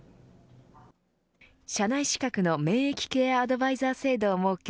社内資格の免疫ケアアドバイザー制度を設け